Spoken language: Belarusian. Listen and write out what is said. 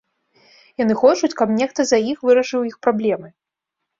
Яны хочуць, каб нехта за іх вырашыў іх праблемы.